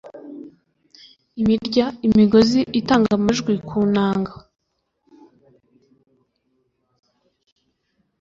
imirya imigozi itanga amajwi ku nanga